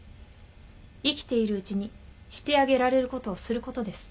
生きているうちにしてあげられることをすることです。